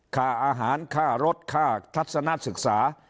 ค่าอาหารค่ารถค่าทัศนศึกษา